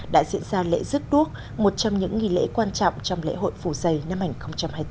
đã diễn ra lễ rước đuốc một trong những nghỉ lễ quan trọng trong lễ hội phủ dây năm ảnh hai mươi bốn